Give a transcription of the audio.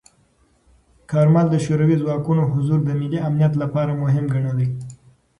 کارمل د شوروي ځواکونو حضور د ملي امنیت لپاره مهم ګڼلی.